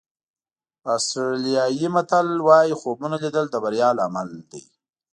آسټرالیایي متل وایي خوبونه لیدل د بریا لامل دي.